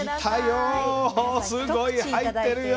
すごい入ってるよ。